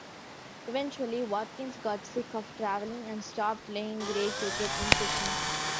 Eventually Watkins got sick of travelling and stopped playing grade cricket in Sydney.